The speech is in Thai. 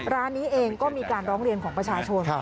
ร้านนี้เองก็มีการร้องเรียนของประชาชน